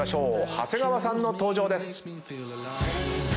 長谷川さんの登場です。